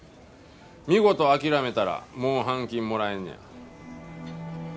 見事諦めたらもう半金もらえんねや。